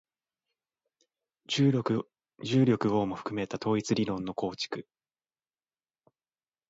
重力をも含めた統一理論の構築